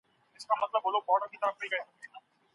هغه په خپلو اخلاقو کې د یوې پښتنې نجلۍ پوره بېلګه وه.